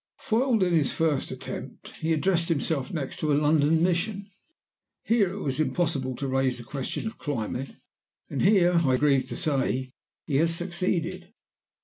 "Foiled in his first attempt, he addressed himself next to a London Mission. Here it was impossible to raise the question of climate, and here, I grieve to say, he has succeeded.